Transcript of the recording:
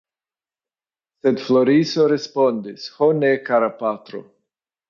Sed Floriso respondis: Ho ne, kara patro!